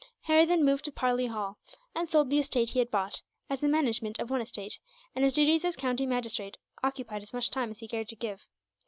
Harry then moved to Parley Hall, and sold the estate he had bought; as the management of one estate, and his duties as county magistrate, occupied as much time as he cared to give.